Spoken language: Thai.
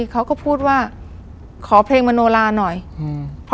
เขาก็พูดว่าขอเพลงมโนลาหน่อยอืม